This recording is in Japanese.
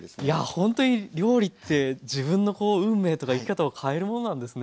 いやほんとに料理って自分の運命とか生き方を変えるものなんですね。